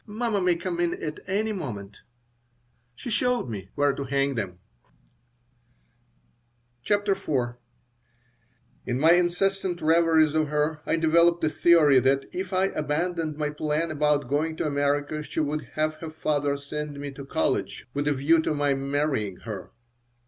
Mamma may come in at any moment." She showed me where to hang them [note: Gymnasist] A pupil of a gymnasium or high school CHAPTER IV In my incessant reveries of her I developed the theory that if I abandoned my plan about going to America she would have her father send me to college with a view to my marrying her.